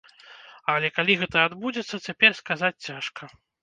Але калі гэта адбудзецца, цяпер сказаць цяжка.